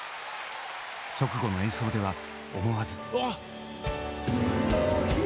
直後の演奏では思わず。